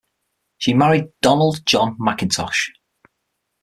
She married Donald John McIntosh.